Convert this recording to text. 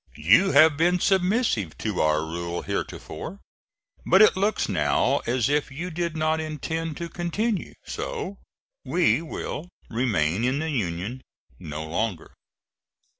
You have been submissive to our rule heretofore; but it looks now as if you did not intend to continue so, and we will remain in the Union no longer."